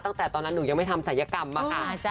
ตั้งแต่ตอนนั้นหนูยังไม่ทำศัยกรรมอะค่ะ